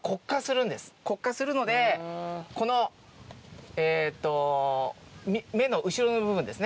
黒化するのでこのえっと目の後ろの部分ですね。